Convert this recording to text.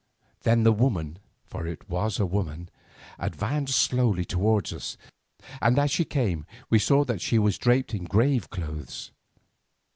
Then the woman—for it was a woman—advanced slowly towards us, and as she came we saw that she was draped in graveclothes.